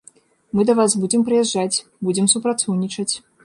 Мы да вас будзем прыязджаць, будзем супрацоўнічаць.